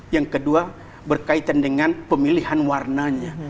yang kedua berkaitan dengan pemilihan warnanya